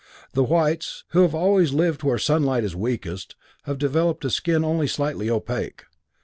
The whites, who have always lived where sunlight is weakest, have developed a skin only slightly opaque.